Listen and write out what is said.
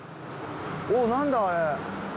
おっなんだあれ？